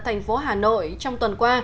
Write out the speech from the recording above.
thành phố hà nội trong tuần qua